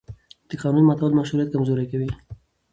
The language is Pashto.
د قانون ماتول مشروعیت کمزوری کوي